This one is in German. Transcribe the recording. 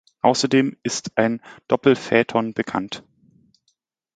Außerdem ist ein Doppelphaeton bekannt.